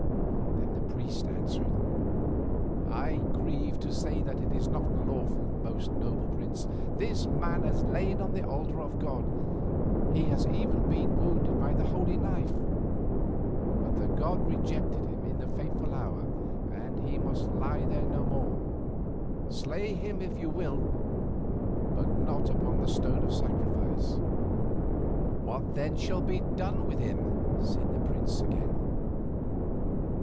Then the priest answered: "I grieve to say that it is not lawful, most noble prince. This man has lain on the altar of the god, he has even been wounded by the holy knife. But the god rejected him in a fateful hour, and he must lie there no more. Slay him if you will, but not upon the stone of sacrifice." "What then shall be done with him?" said the prince again.